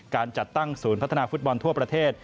การจัดตั้งศูนย์พัฒนาฟุตบอลทั่วประเทศ